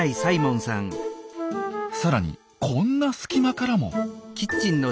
さらにこんな隙間からも。